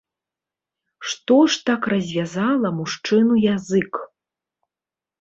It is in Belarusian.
Што ж так развязала мужчыну язык?